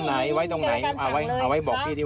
จะไว้แข้งล่างจะไว้ที่ว่า